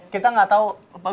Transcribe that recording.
kita enggak tau